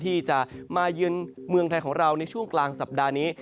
ที่จะมาเยือนเมืองไทยของเราในช่วงกลางสัปดาห์นี้